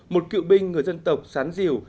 một cựu binh người dân tộc sán lạc bằng tay